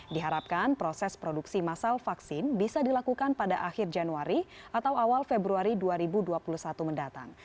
diharapkan proses produksi masal vaksin bisa dilakukan pada akhir januari atau awal februari dua ribu dua puluh satu mendatang